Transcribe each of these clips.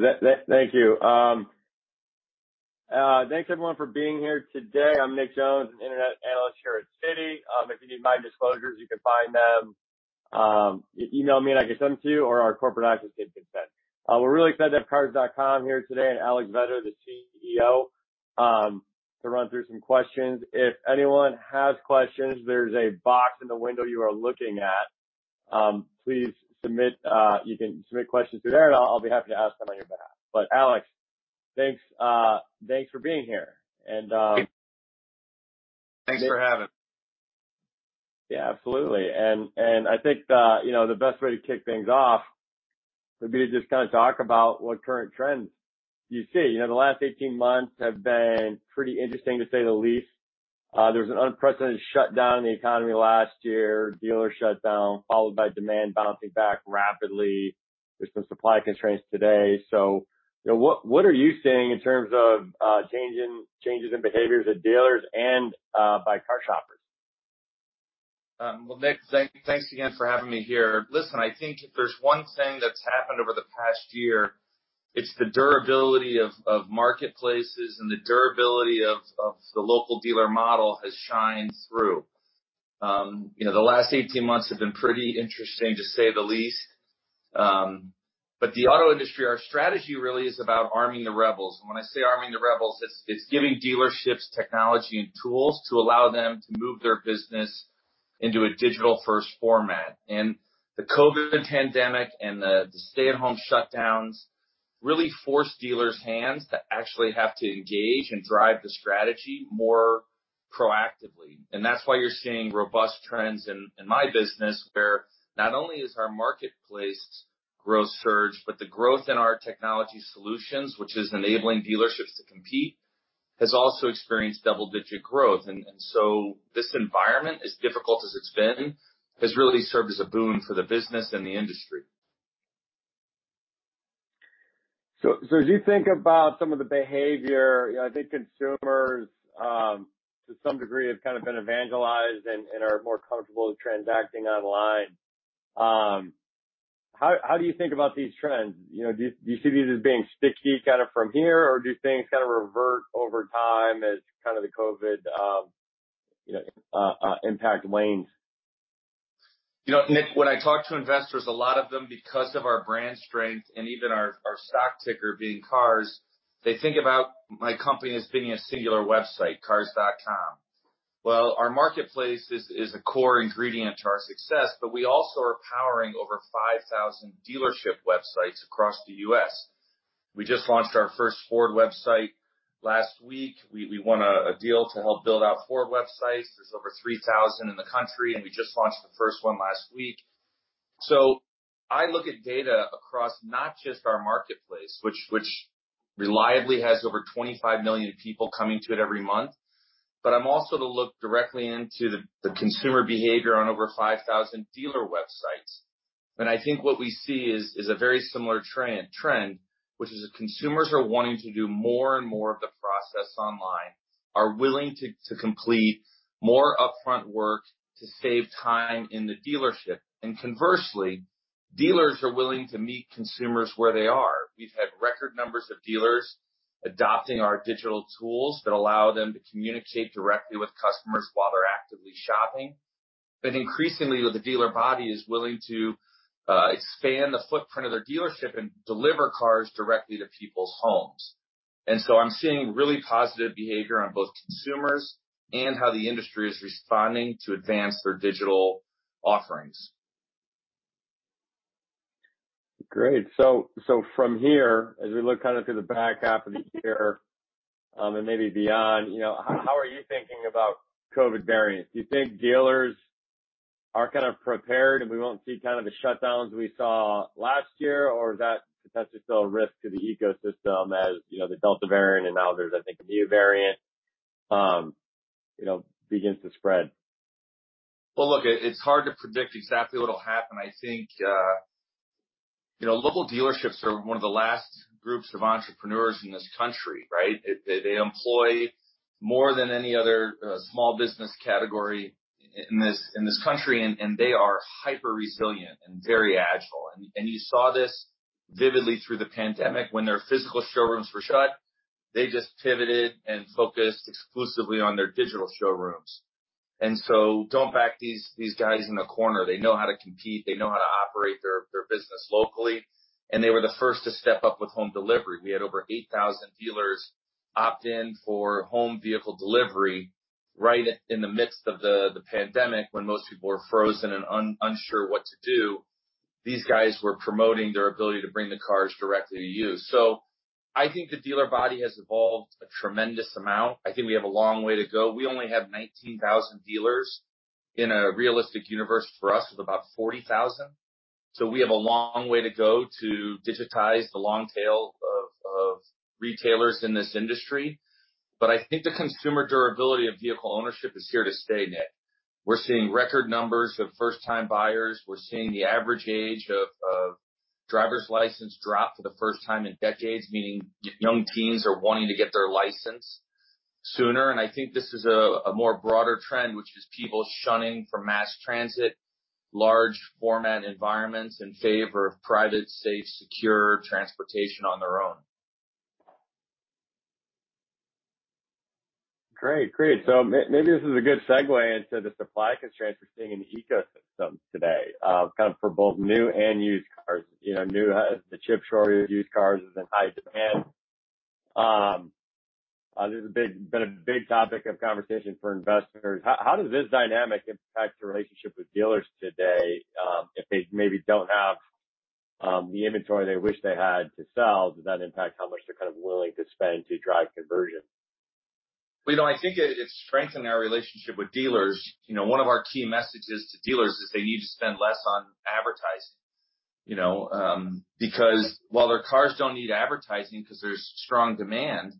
Great. Thank you. Thanks everyone for being here today. I'm Nick Jones, an internet analyst here at Citi. If you need my disclosures, you can find them. You email me and I can send them to you or our corporate archives can send. We're really excited to have Cars.com here today, and Alex Vetter, the CEO, to run through some questions. If anyone has questions, there's a box in the window you are looking at. Please submit. You can submit questions through there, and I'll be happy to ask them on your behalf. Alex, thanks for being here. Thanks for having me. Yeah, absolutely. I think the best way to kick things off would be to just kind of talk about what current trends you see. The last 18 months have been pretty interesting, to say the least. There was an unprecedented shutdown in the economy last year. Dealers shut down, followed by demand bouncing back rapidly. There's some supply constraints today. What are you seeing in terms of changes in behaviors at dealers and by car shoppers? Well, Nick, thanks again for having me here. Listen, I think if there's one thing that's happened over the past year, it's the durability of marketplaces and the durability of the local dealer model has shined through. The last 18 months have been pretty interesting, to say the least. The auto industry, our strategy really is about arming the rebels. When I say arming the rebels, it's giving dealerships technology and tools to allow them to move their business into a digital-first format. The COVID pandemic and the stay-at-home shutdowns really forced dealers' hands to actually have to engage and drive the strategy more proactively. That's why you're seeing robust trends in my business, where not only is our marketplace growth surged, but the growth in our technology solutions, which is enabling dealerships to compete, has also experienced double-digit growth. This environment, as difficult as it's been, has really served as a boon for the business and the industry. As you think about some of the behavior, I think consumers, to some degree, have kind of been evangelized and are more comfortable with transacting online. How do you think about these trends? Do you see these as being sticky kind of from here, or do things kind of revert over time as kind of the COVID impact wanes? Nick, when I talk to investors, a lot of them, because of our brand strength and even our stock ticker being Cars, they think about my company as being a singular website, Cars.com. Well, our marketplace is a core ingredient to our success, but we also are powering over 5,000 dealership websites across the U.S. We just launched our first Ford website last week. We won a deal to help build out Ford websites. There's over 3,000 in the country, and we just launched the first one last week. I look at data across not just our marketplace, which reliably has over 25 million people coming to it every month. I'm also to look directly into the consumer behavior on over 5,000 dealer websites. I think what we see is a very similar trend, which is that consumers are wanting to do more and more of the process online, are willing to complete more upfront work to save time in the dealership. Conversely, dealers are willing to meet consumers where they are. We've had record numbers of dealers adopting our digital tools that allow them to communicate directly with customers while they're actively shopping. Increasingly, the dealer body is willing to expand the footprint of their dealership and deliver cars directly to people's homes. I'm seeing really positive behavior on both consumers and how the industry is responding to advance their digital offerings. Great. From here, as we look kind of to the back half of the year and maybe beyond, how are you thinking about COVID variants? Do you think dealers are kind of prepared and we won't see kind of the shutdowns we saw last year? Or is that potentially still a risk to the ecosystem, as the Delta variant, and now there's, I think, a Mu variant, begins to spread? Well, look, it's hard to predict exactly what'll happen. I think local dealerships are one of the last groups of entrepreneurs in this country, right? They employ more than any other small business category in this country, and they are hyper-resilient and very agile. You saw this vividly through the pandemic. When their physical showrooms were shut, they just pivoted and focused exclusively on their digital showrooms. Don't back these guys in a corner. They know how to compete. They know how to operate their business locally, and they were the first to step up with home delivery. We had over 8,000 dealers opt in for home vehicle delivery right in the midst of the pandemic when most people were frozen and unsure what to do. These guys were promoting their ability to bring the cars directly to you. I think the dealer body has evolved a tremendous amount. I think we have a long way to go. We only have 19,000 dealers. In a realistic universe for us, it's about 40,000. We have a long way to go to digitize the long tail of retailers in this industry. I think the consumer durability of vehicle ownership is here to stay, Nick. We're seeing record numbers of first-time buyers. We're seeing the average age of driver's license drop for the first time in decades, meaning young teens are wanting to get their license sooner. I think this is a more broader trend, which is people shunning from mass transit, large format environments in favor of private, safe, secure transportation on their own. Great. Maybe this is a good segue into the supply constraints we're seeing in the ecosystem today, for both new and used cars. New, the chip shortage, used cars is in high demand. This has been a big topic of conversation for investors. How does this dynamic impact your relationship with dealers today, if they maybe don't have the inventory they wish they had to sell? Does that impact how much they're willing to spend to drive conversion? I think it's strengthened our relationship with dealers. One of our key messages to dealers is they need to spend less on advertising. While their cars don't need advertising because there's strong demand,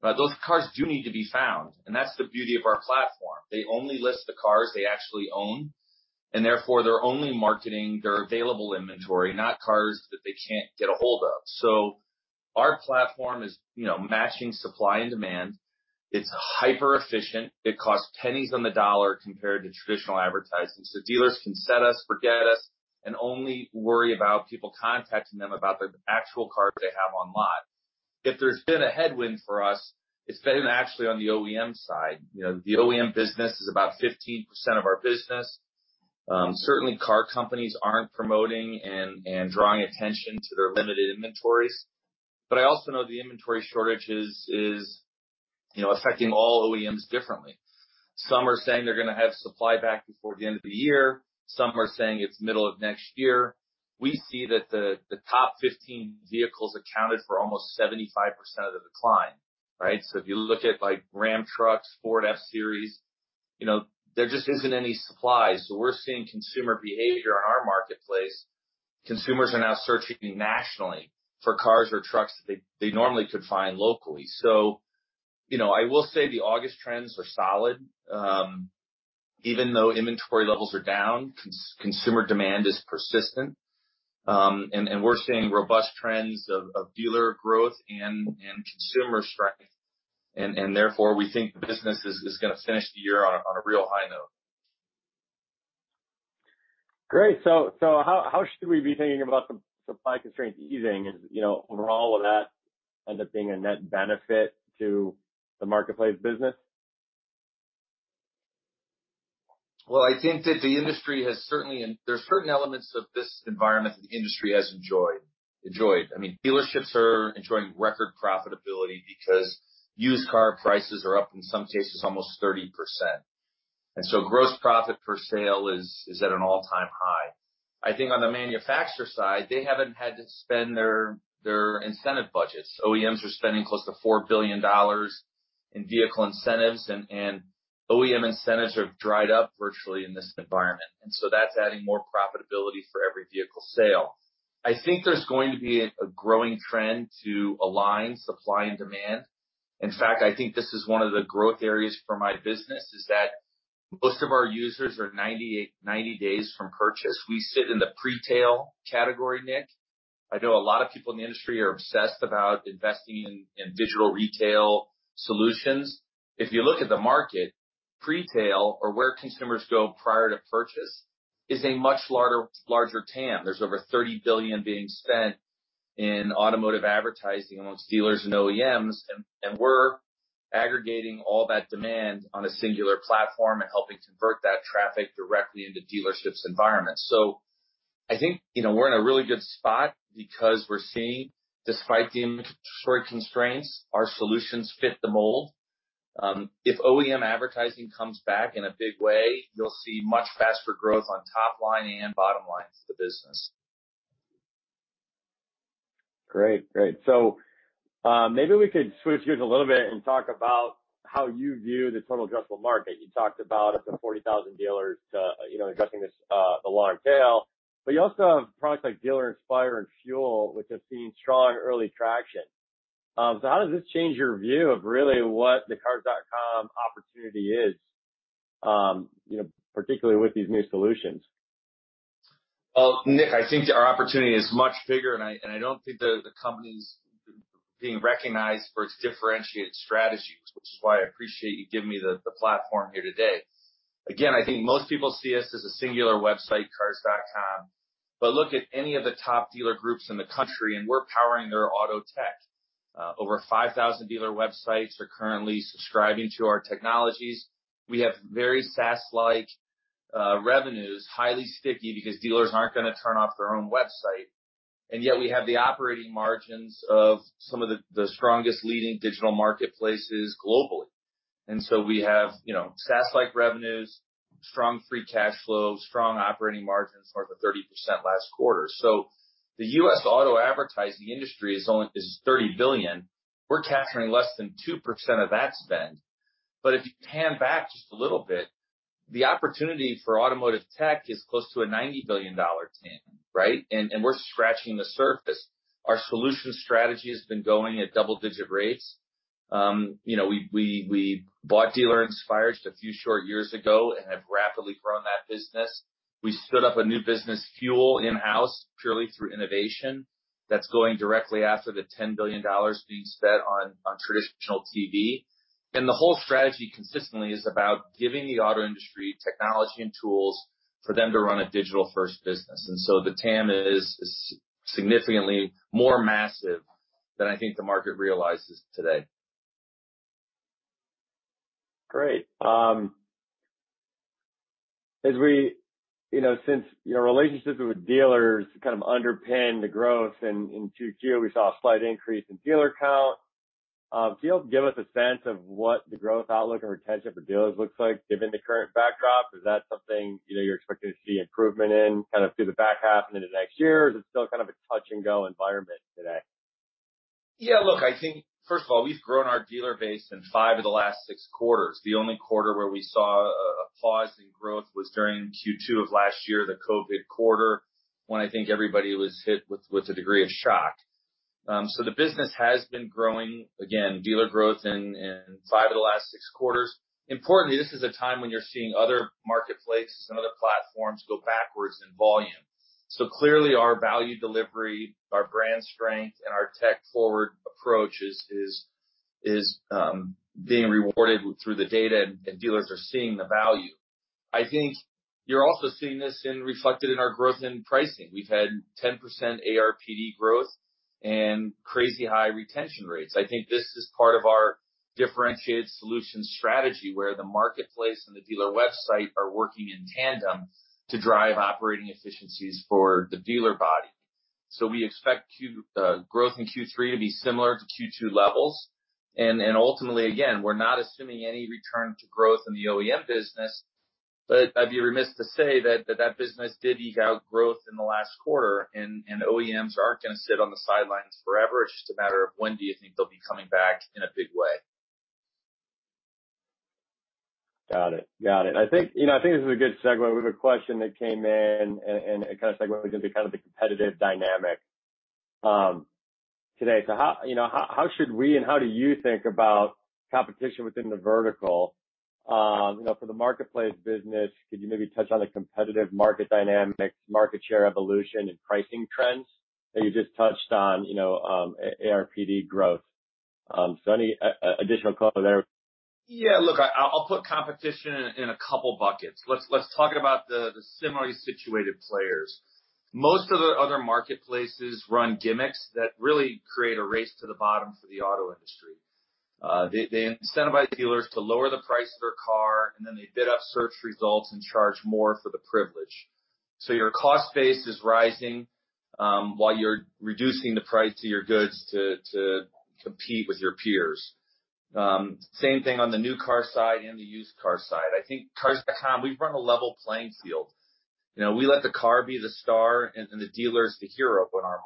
but those cars do need to be found, and that's the beauty of our platform. They only list the cars they actually own, and therefore, they're only marketing their available inventory, not cars that they can't get ahold of. Our platform is matching supply and demand. It's hyper-efficient. It costs pennies on the dollar compared to traditional advertising. Dealers can set us, forget us, and only worry about people contacting them about the actual cars they have online. If there's been a headwind for us, it's been actually on the OEM side. The OEM business is about 15% of our business. Certainly, car companies aren't promoting and drawing attention to their limited inventories. I also know the inventory shortage is affecting all OEMs differently. Some are saying they're going to have supply back before the end of the year. Some are saying it's middle of next year. We see that the top 15 vehicles accounted for almost 75% of the decline. Right? If you look at Ram trucks, Ford F-Series, there just isn't any supply. We're seeing consumer behavior on our marketplace. Consumers are now searching nationally for cars or trucks that they normally could find locally. I will say the August trends were solid. Even though inventory levels are down, consumer demand is persistent. We're seeing robust trends of dealer growth and consumer strength, and therefore, we think the business is going to finish the year on a real high note. Great. How should we be thinking about the supply constraints easing? Will all of that end up being a net benefit to the marketplace business? Well, I think that there's certain elements of this environment that the industry has enjoyed. Dealerships are enjoying record profitability because used car prices are up, in some cases, almost 30%. Gross profit per sale is at an all-time high. I think on the manufacturer side, they haven't had to spend their incentive budgets. OEMs are spending close to $4 billion in vehicle incentives, and OEM incentives have dried up virtually in this environment. That's adding more profitability for every vehicle sale. I think there's going to be a growing trend to align supply and demand. In fact, I think this is one of the growth areas for my business, is that most of our users are 90 days from purchase. We sit in the pretail category, Nick. I know a lot of people in the industry are obsessed about investing in digital retail solutions. If you look at the market, pretail, or where consumers go prior to purchase, is a much larger TAM. There's over $30 billion being spent in automotive advertising amongst dealers and OEMs, and we're aggregating all that demand on a singular platform and helping convert that traffic directly into dealerships' environments. I think we're in a really good spot because we're seeing, despite the inventory constraints, our solutions fit the mold. If OEM advertising comes back in a big way, you'll see much faster growth on top line and bottom lines of the business. Great. Maybe we could switch gears a little bit and talk about how you view the total addressable market. You talked about up to 40,000 dealers, addressing the long tail. You also have products like Dealer Inspire and FUEL, which have seen strong early traction. How does this change your view of really what the Cars.com opportunity is, particularly with these new solutions? Nick, I think our opportunity is much bigger, and I don't think the company's being recognized for its differentiated strategies, which is why I appreciate you giving me the platform here today. I think most people see us as a singular website, Cars.com. Look at any of the top dealer groups in the country, and we're powering their auto tech. Over 5,000 dealer websites are currently subscribing to our technologies. We have very SaaS-like revenues, highly sticky because dealers aren't going to turn off their own website. Yet we have the operating margins of some of the strongest leading digital marketplaces globally. We have SaaS-like revenues, strong free cash flow, strong operating margins, north of 30% last quarter. The U.S. auto advertising industry is $30 billion. We're capturing less than 2% of that spend. If you pan back just a little bit, the opportunity for automotive tech is close to a $90 billion TAM. Right? We're scratching the surface. Our solutions strategy has been going at double-digit rates. We bought Dealer Inspire just a few short years ago and have rapidly grown that business. We stood up a new business, FUEL, in-house purely through innovation. That's going directly after the $10 billion being spent on traditional TV. The whole strategy consistently is about giving the auto industry technology and tools for them to run a digital-first business. The TAM is significantly more massive than I think the market realizes today. Great. Since your relationships with dealers kind of underpin the growth, and in Q2 we saw a slight increase in dealer count. Can you give us a sense of what the growth outlook and retention for dealers looks like given the current backdrop? Is that something you're expecting to see improvement in kind of through the back half into next year? Or is it still kind of a touch-and-go environment today? Look, I think first of all, we've grown our dealer base in 5 of the last 6 quarters. The only quarter where we saw a pause in growth was during Q2 of last year, the COVID quarter, when I think everybody was hit with a degree of shock. The business has been growing. Again, dealer growth in 5 of the last 6 quarters. Importantly, this is a time when you're seeing other marketplaces and other platforms go backwards in volume. Clearly our value delivery, our brand strength, and our tech-forward approach is being rewarded through the data, and dealers are seeing the value. I think you're also seeing this reflected in our growth in pricing. We've had 10% ARPD growth and crazy high retention rates. I think this is part of our differentiated solutions strategy, where the marketplace and the dealer website are working in tandem to drive operating efficiencies for the dealer body. We expect growth in Q3 to be similar to Q2 levels. Ultimately, again, we're not assuming any return to growth in the OEM business. I'd be remiss to say that that business did eke out growth in the last quarter, and OEMs aren't going to sit on the sidelines forever. It's just a matter of when do you think they'll be coming back in a big way. Got it. I think this is a good segue. We have 1 question that came in, and it kind of segues into kind of the competitive dynamic today. How should we and how do you think about competition within the vertical? For the marketplace business, could you maybe touch on the competitive market dynamics, market share evolution, and pricing trends that you just touched on, ARPD growth? Any additional color there? Look, I'll put competition in a couple of buckets. Let's talk about the similarly situated players. Most of the other marketplaces run gimmicks that really create a race to the bottom for the auto industry. They incentivize dealers to lower the price of their car, and then they bid up search results and charge more for the privilege. Your cost base is rising, while you're reducing the price of your goods to compete with your peers. Same thing on the new car side and the used car side. I think Cars.com, we've run a level playing field. We let the car be the star and the dealers the hero in our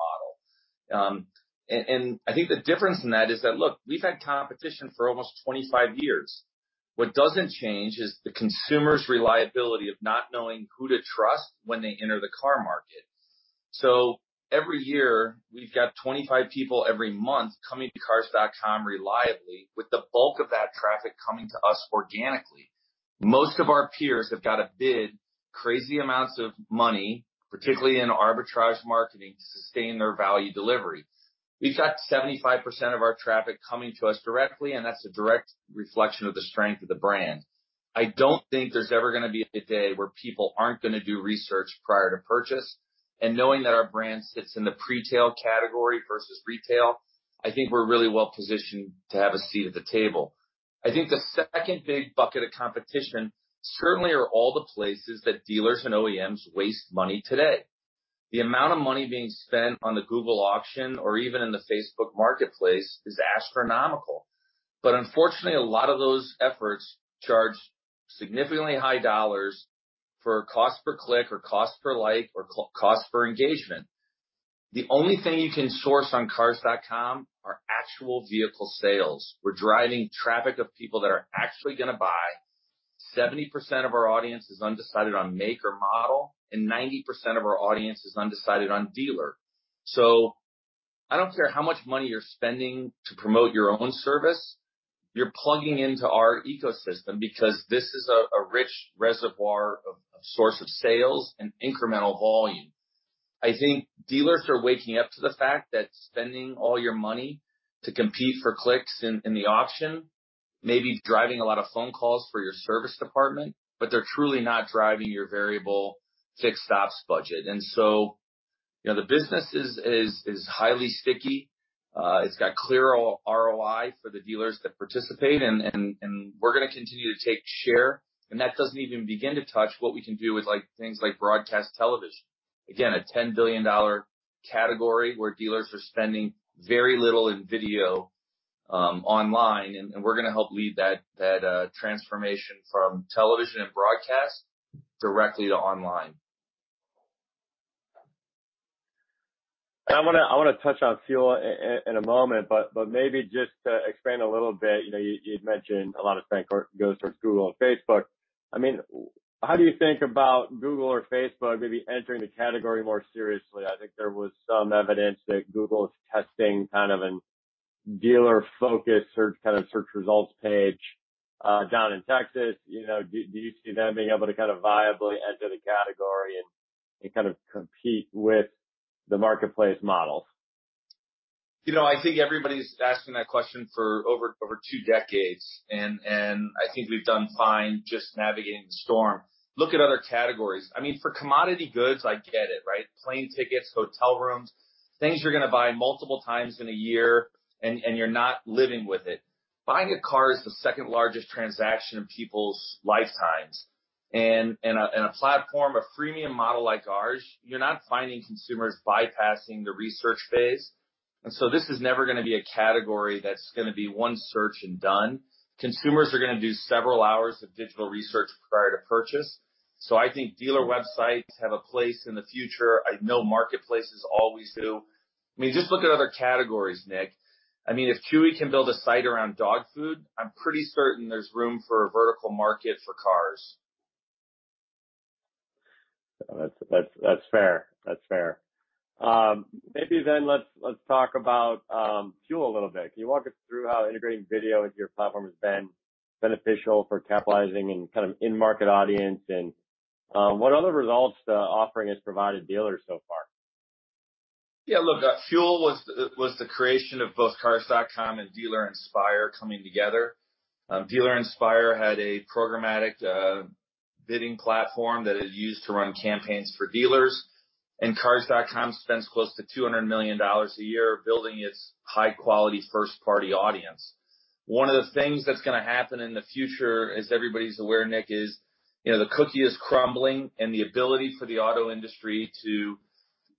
model. I think the difference in that is that, look, we've had competition for almost 25 years. What doesn't change is the consumer's reliability of not knowing who to trust when they enter the car market. Every year, we've got 25 people every month coming to Cars.com reliably, with the bulk of that traffic coming to us organically. Most of our peers have got to bid crazy amounts of money, particularly in arbitrage marketing, to sustain their value delivery. We've got 75% of our traffic coming to us directly, and that's a direct reflection of the strength of the brand. I don't think there's ever going to be a day where people aren't going to do research prior to purchase. Knowing that our brand sits in the pretail category versus retail, I think we're really well positioned to have a seat at the table. I think the second big bucket of competition certainly are all the places that dealers and OEMs waste money today. The amount of money being spent on the Google auction or even in the Facebook Marketplace is astronomical. Unfortunately, a lot of those efforts charge significantly high dollars for cost per click or cost per like or cost per engagement. The only thing you can source on Cars.com are actual vehicle sales. We're driving traffic of people that are actually going to buy. 70% of our audience is undecided on make or model, and 90% of our audience is undecided on dealer. I don't care how much money you're spending to promote your own service, you're plugging into our ecosystem because this is a rich reservoir of source of sales and incremental volume. I think dealers are waking up to the fact that spending all your money to compete for clicks in the auction, may be driving a lot of phone calls for your service department, but they're truly not driving your variable fixed ops budget. The business is highly sticky. It's got clear ROI for the dealers that participate, and we're going to continue to take share. That doesn't even begin to touch what we can do with things like broadcast television. Again, a $10 billion category where dealers are spending very little in video online, and we're going to help lead that transformation from television and broadcast directly to online. I want to touch on FUEL in a moment, but maybe just to expand a little bit. You'd mentioned a lot of spend goes towards Google and Facebook. How do you think about Google or Facebook maybe entering the category more seriously? I think there was some evidence that Google is testing kind of a Dealer focus search results page down in Texas. Do you see them being able to viably enter the category and compete with the marketplace model? I think everybody's asking that question for over 2 decades, and I think we've done fine just navigating the storm. Look at other categories. For commodity goods, I get it. Plane tickets, hotel rooms, things you're going to buy multiple times in a year and you're not living with it. Buying a car is the 2nd largest transaction in people's lifetimes. A platform, a freemium model like ours, you're not finding consumers bypassing the research phase. This is never going to be a category that's going to be 1 search and done. Consumers are going to do several hours of digital research prior to purchase. I think dealer websites have a place in the future. I know marketplaces always do. Just look at other categories, Nick. If Chewy can build a site around dog food, I'm pretty certain there's room for a vertical market for cars. That's fair. Maybe let's talk about FUEL a little bit. Can you walk us through how integrating video into your platform has been beneficial for capitalizing and in-market audience and what other results the offering has provided dealers so far? Yeah. Look, FUEL was the creation of both Cars.com and Dealer Inspire coming together. Dealer Inspire had a programmatic bidding platform that it used to run campaigns for dealers, and Cars.com spends close to $200 million a year building its high-quality first-party audience. One of the things that's going to happen in the future, as everybody's aware, Nick, is the cookie is crumbling, and the ability for the auto industry to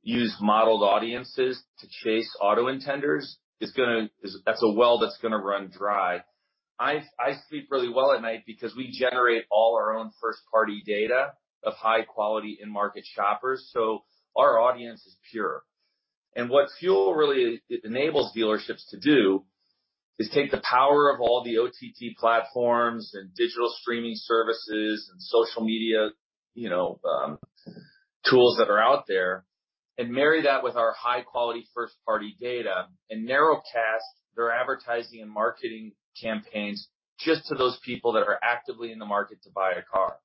use modeled audiences to chase auto intenders, that's a well that's going to run dry. I sleep really well at night because we generate all our own first-party data of high quality in-market shoppers, so our audience is pure. What FUEL really enables dealerships to do is take the power of all the OTT platforms and digital streaming services and social media tools that are out there and marry that with our high-quality first-party data, and narrowcast their advertising and marketing campaigns just to those people that are actively in the market to buy a car.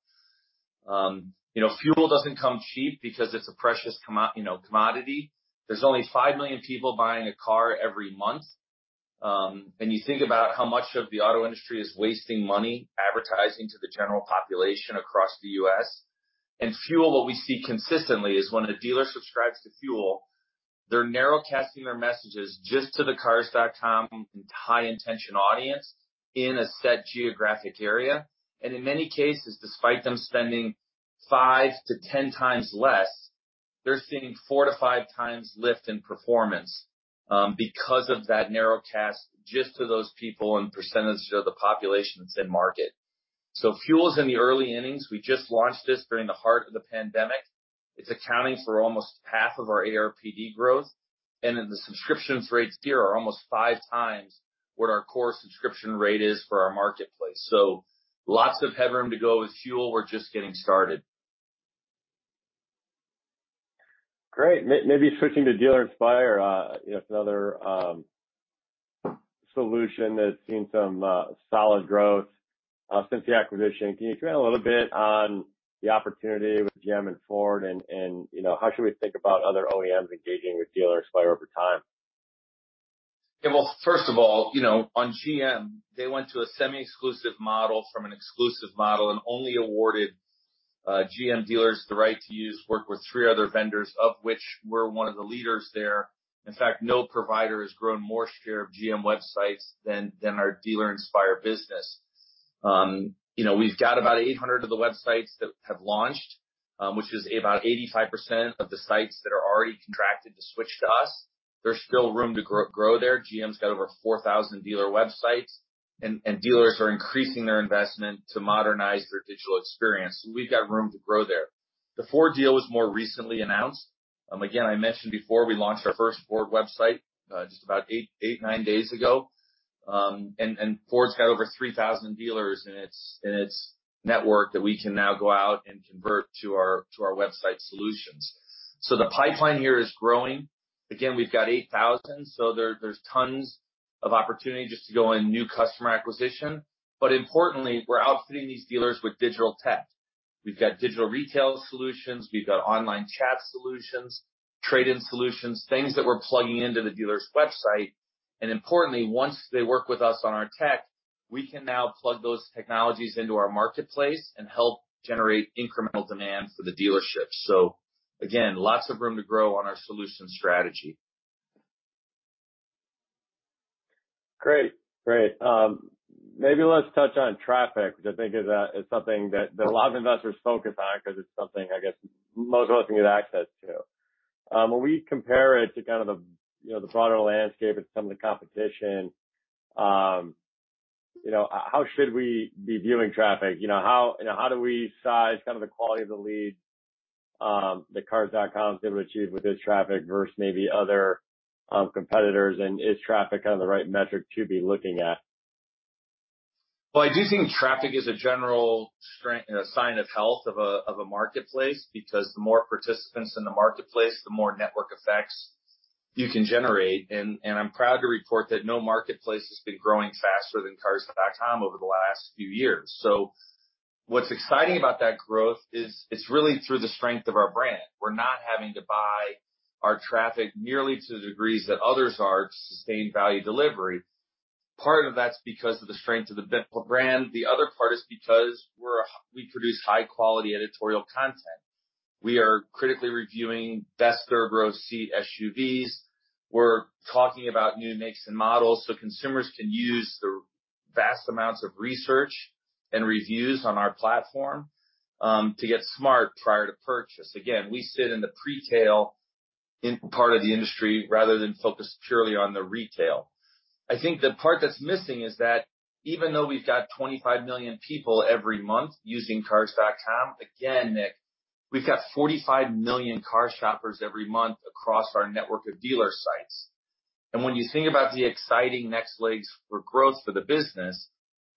FUEL doesn't come cheap because it's a precious commodity. There's only 5 million people buying a car every month. You think about how much of the auto industry is wasting money advertising to the general population across the U.S. FUEL, what we see consistently is when a dealer subscribes to FUEL, they're narrowcasting their messages just to the Cars.com and high-intention audience in a set geographic area. In many cases, despite them spending five to 10 times less, they're seeing four to five times lift in performance because of that narrowcast just to those people and percentage of the population that's in market. FUEL's in the early innings. We just launched this during the heart of the pandemic. It's accounting for almost half of our ARPD growth. The subscriptions rates here are almost five times what our core subscription rate is for our marketplace. Lots of headroom to go with FUEL. We're just getting started. Great. Maybe switching to Dealer Inspire, it's another solution that's seen some solid growth since the acquisition. Can you comment a little bit on the opportunity with GM and Ford and how should we think about other OEMs engaging with Dealer Inspire over time? Yeah. Well, first of all, on GM, they went to a semi-exclusive model from an exclusive model and only awarded GM dealers the right to use work with three other vendors, of which we're one of the leaders there. In fact, no provider has grown more share of GM websites than our Dealer Inspire business. We've got about 800 of the websites that have launched, which is about 85% of the sites that are already contracted to switch to us. There's still room to grow there. GM's got over 4,000 dealer websites, and dealers are increasing their investment to modernize their digital experience. We've got room to grow there. The Ford deal was more recently announced. Again, I mentioned before, we launched our first Ford website just about eight, nine days ago. Ford's got over 3,000 dealers in its network that we can now go out and convert to our website solutions. The pipeline here is growing. Again, we've got 8,000, there's tons of opportunity just to go in new customer acquisition. Importantly, we're outfitting these dealers with digital tech. We've got digital retail solutions. We've got online chat solutions, trade-in solutions, things that we're plugging into the dealer's website. Importantly, once they work with us on our tech, we can now plug those technologies into our marketplace and help generate incremental demand for the dealership. Again, lots of room to grow on our solution strategy. Great. Maybe let's touch on traffic, which I think is something that a lot of investors focus on because it's something, I guess, most of us can get access to. When we compare it to the broader landscape and some of the competition, how should we be viewing traffic? How do we size the quality of the leads that Cars.com is able to achieve with its traffic versus maybe other competitors? Is traffic the right metric to be looking at? Well, I do think traffic is a general sign of health of a marketplace, because the more participants in the marketplace, the more network effects you can generate. I'm proud to report that no marketplace has been growing faster than Cars.com over the last few years. What's exciting about that growth is it's really through the strength of our brand. We're not having to buy our traffic nearly to the degrees that others are to sustain value delivery. Part of that's because of the strength of the brand. The other part is because we produce high-quality editorial content. We are critically reviewing best 3-row seat SUVs. We're talking about new makes and models so consumers can use the vast amounts of research and reviews on our platform to get smart prior to purchase. Again, we sit in the pretail part of the industry rather than focus purely on the retail. I think the part that's missing is that even though we've got 25 million people every month using Cars.com, Nick, we've got 45 million car shoppers every month across our network of dealer sites. When you think about the exciting next legs for growth for the business,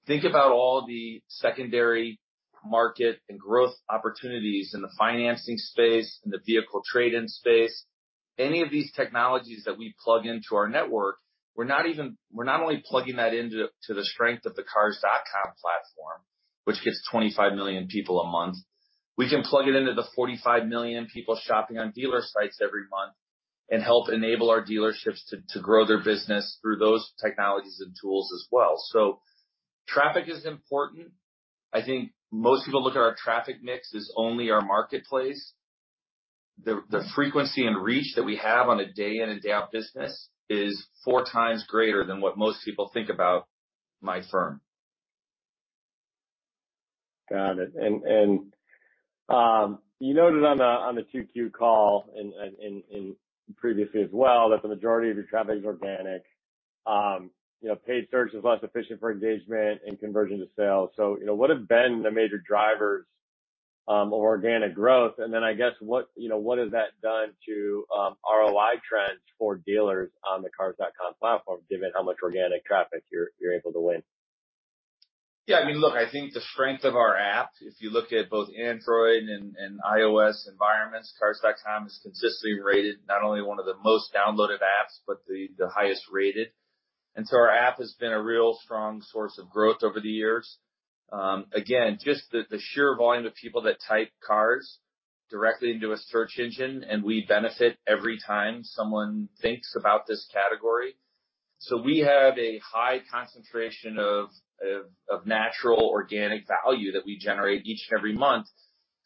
think about all the secondary market and growth opportunities in the financing space, in the vehicle trade-in space. Any of these technologies that we plug into our network, we're not only plugging that into the strength of the Cars.com platform, which gets 25 million people a month. We can plug it into the 45 million people shopping on dealer sites every month and help enable our dealerships to grow their business through those technologies and tools as well. Traffic is important. I think most people look at our traffic mix as only our marketplace. The frequency and reach that we have on a day in and day out business is four times greater than what most people think about my firm. Got it. You noted on the 2Q call and previously as well, that the majority of your traffic is organic. Paid search is less efficient for engagement and conversion to sale. What have been the major drivers of organic growth, and then, I guess, what has that done to ROI trends for dealers on the Cars.com platform, given how much organic traffic you're able to win? Yeah. Look, I think the strength of our app, if you look at both Android and iOS environments, Cars.com is consistently rated not only one of the most downloaded apps, but the highest rated. Our app has been a real strong source of growth over the years. Again, just the sheer volume of people that type cars directly into a search engine, we benefit every time someone thinks about this category. We have a high concentration of natural organic value that we generate each and every month,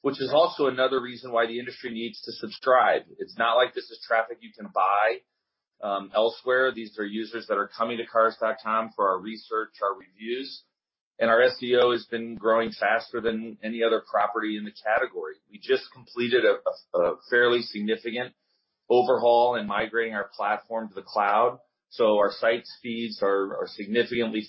which is also another reason why the industry needs to subscribe. It's not like this is traffic you can buy elsewhere. These are users that are coming to Cars.com for our research, our reviews, our SEO has been growing faster than any other property in the category. We just completed a fairly significant overhaul in migrating our platform to the cloud. Our site speeds are significantly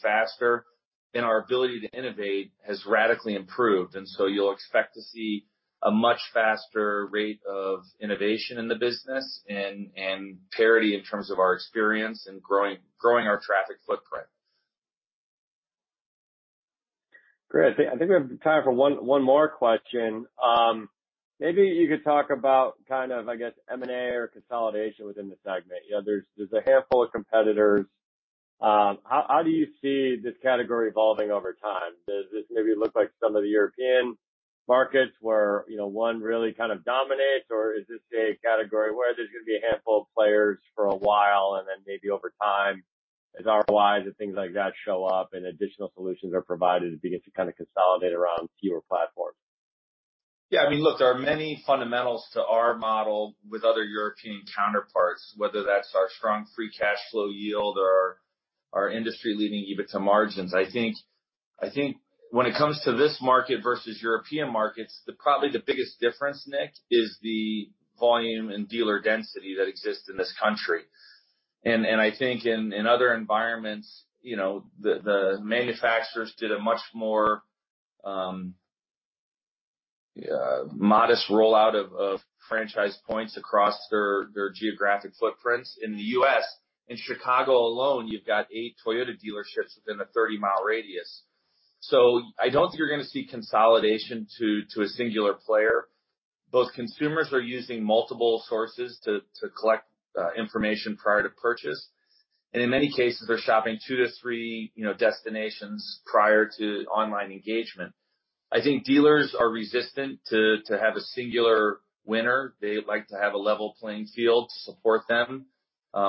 faster, and our ability to innovate has radically improved. You'll expect to see a much faster rate of innovation in the business and parity in terms of our experience in growing our traffic footprint. Great. I think we have time for one more question. Maybe you could talk about, I guess, M&A or consolidation within the segment. There's a handful of competitors. How do you see this category evolving over time? Does this maybe look like some of the European markets where 1 really kind of dominates, or is this a category where there's going to be a handful of players for a while, and then maybe over time, as ROIs and things like that show up and additional solutions are provided, it begins to kind of consolidate around fewer platforms? Yeah. Look, there are many fundamentals to our model with other European counterparts, whether that's our strong free cash flow yield or our industry leading EBITDA margins. I think when it comes to this market versus European markets, probably the biggest difference, Nick, is the volume and dealer density that exists in this country. I think in other environments, the manufacturers did a much more modest rollout of franchise points across their geographic footprints. In the U.S., in Chicago alone, you've got eight Toyota dealerships within a 30 mi radius. I don't think you're going to see consolidation to a singular player. Both consumers are using multiple sources to collect information prior to purchase. In many cases, they're shopping two to three destinations prior to online engagement. I think dealers are resistant to have a singular winner. They like to have a level playing field to support them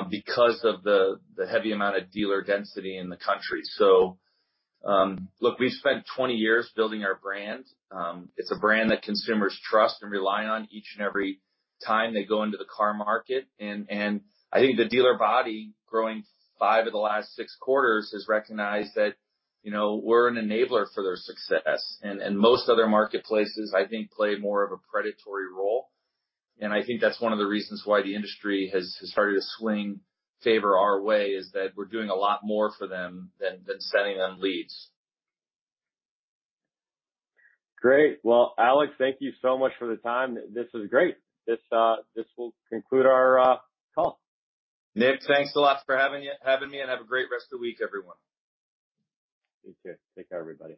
because of the heavy amount of dealer density in the country. look, we've spent 20 years building our brand. It's a brand that consumers trust and rely on each and every time they go into the car market. I think the dealer body growing five of the last six quarters has recognized that we're an enabler for their success. Most other marketplaces, I think, play more of a predatory role. I think that's one of the reasons why the industry has started to swing favor our way, is that we're doing a lot more for them than sending them leads. Great. Well, Alex, thank you so much for the time. This was great. This will conclude our call. Nick, thanks a lot for having me, and have a great rest of the week, everyone. You too. Take care, everybody.